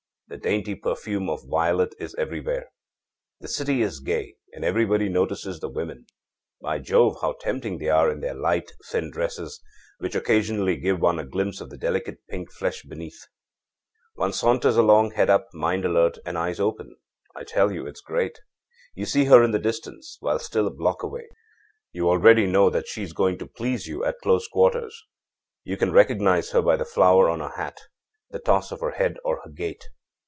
The dainty perfume of violet is everywhere. The city is gay, and everybody notices the women. By Jove, how tempting they are in their light, thin dresses, which occasionally give one a glimpse of the delicate pink flesh beneath! âOne saunters along, head up, mind alert, and eyes open. I tell you it's great! You see her in the distance, while still a block away; you already know that she is going to please you at closer quarters. You can recognize her by the flower on her hat, the toss of her head, or her gait.